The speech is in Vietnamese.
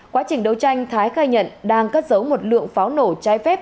quá trình đấu tranh thái khai nhận đang cắt giấu một lượng phó nổ trái phép